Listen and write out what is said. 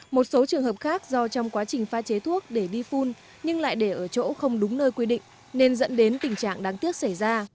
một số trường hợp khác do trong quá trình pha chế thuốc để đi phun nhưng lại để ở chỗ không đúng nơi quy định nên dẫn đến tình trạng đáng tiếc xảy ra